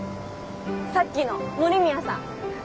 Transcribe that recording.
さっきの森宮さん。